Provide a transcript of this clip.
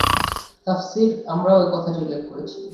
তাফসীরে আমরা এ কথাটি উল্লেখ করেছি।